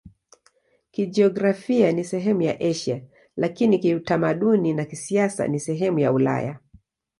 Kijiografia ni sehemu ya Asia, lakini kiutamaduni na kisiasa ni sehemu ya Ulaya.